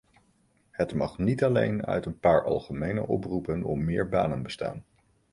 Het mag niet alleen uit een paar algemene oproepen om meer banen bestaan.